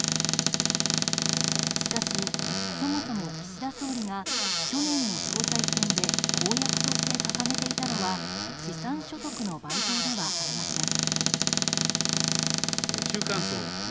しかし、そもそも岸田総理が去年の総裁選で公約として掲げていたのは資産所得の倍増ではありません。